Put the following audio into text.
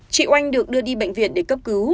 chị oanh được đưa đi bệnh viện để cấp cứu